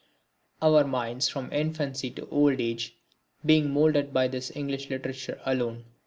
Our minds from infancy to old age are being moulded by this English literature alone.